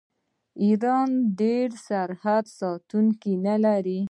آیا ایران ډیر سرحدي ساتونکي نلري؟